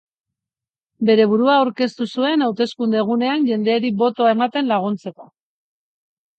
Bere burua aurkeztu zuen hauteskunde egunean jendeari botoa ematen laguntzeko.